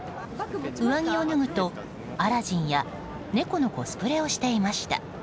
上着を脱ぐと、アラジンや猫のコスプレをしていました。